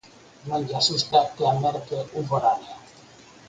Non lle asusta que a merque un foráneo.